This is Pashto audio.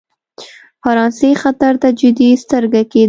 فرانسې خطر ته جدي سترګه کېدل.